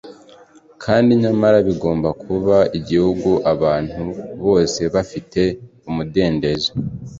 Kandi nyamara bigomba kuba igihugu abantu bose bafite umudendezo